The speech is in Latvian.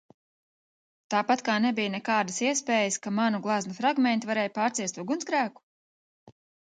Tāpat kā nebija nekādas iespējas, ka manu gleznu fragmenti varēja pārciest ugunsgrēku?